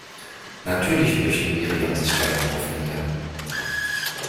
Natürlich möchte Miriam sich gerne profilieren.